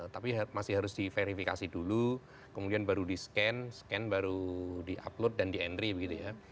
tapi masih harus diverifikasi dulu kemudian baru di scan scan baru di upload dan di entry begitu ya